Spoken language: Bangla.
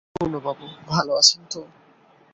পূর্ণবাবু, ভালো আছেন তো?